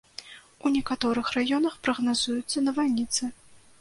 У некаторых раёнах прагназуюцца навальніцы.